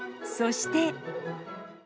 そして。